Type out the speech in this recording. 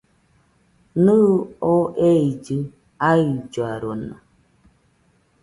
Nɨɨ oo eillɨ ailloarona